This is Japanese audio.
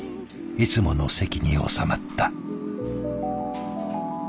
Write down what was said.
いつもの席におさまった。